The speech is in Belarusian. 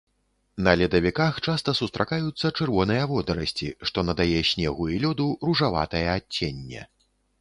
На ледавіках часта сустракаюцца чырвоныя водарасці, што надае снегу і лёду ружаватае адценне.